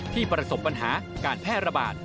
ประสบปัญหาการแพร่ระบาด